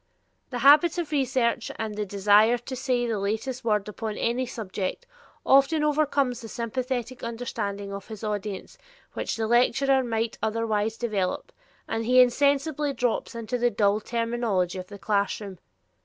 The habit of research and the desire to say the latest word upon any subject often overcomes the sympathetic understanding of his audience which the lecturer might otherwise develop, and he insensibly drops into the dull terminology of the classroom.